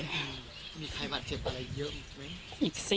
มีใครบาดเจ็บอะไรเยอะอีกไหม